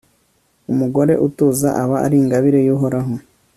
umugore utuza aba ari ingabire y'uhoraho